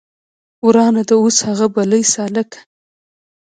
ورانه ده اوس هغه بلۍ سالکه